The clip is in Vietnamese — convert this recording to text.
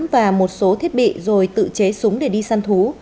và một số thiết bị rồi tự chế súng để đi săn thú